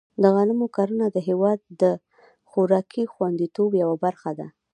د غنمو کرنه د هېواد د خوراکي خوندیتوب یوه برخه ده.